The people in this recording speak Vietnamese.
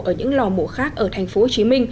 ở những lò mổ khác ở tp hcm